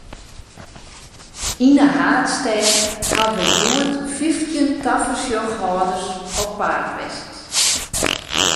Yn de haadstêd hawwe hjoed fyftjin tafersjochhâlders op paad west.